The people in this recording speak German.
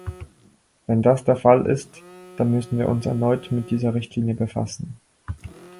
Wenn das der Fall ist, dann müssen wir uns erneut mit dieser Richtlinie befassen.